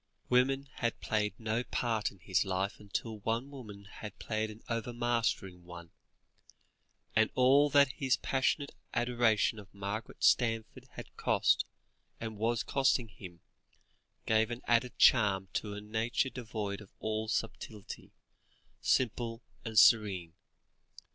Women had played no part in his life, until one woman had played an overmastering one; and all that his passionate adoration of Margaret Stanforth had cost, and was costing, him, gave an added charm to a nature devoid of all subtlety, simple and serene.